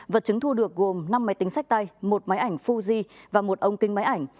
vật chứng thu được gồm năm máy tính sách tay một máy ảnh fuji và một ông kinh máy ảnh